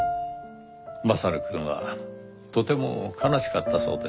将くんはとても悲しかったそうですよ。